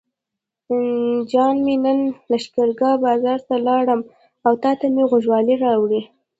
جان مې نن لښکرګاه بازار ته لاړم او تاته مې غوږوالۍ راوړې.